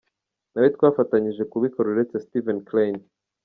Ntawe twafatanyije kubikora uretse Steven Klein.